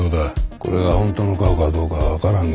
これが本当の顔かどうか分からんが。